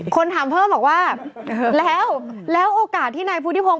คนถามเพิ่มบอกว่าแล้วแล้วโอกาสที่นายพุทธิพงศ